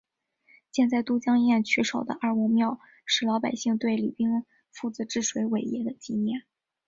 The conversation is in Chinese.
建在都江堰渠首的二王庙是老百姓对李冰父子治水伟业的纪念。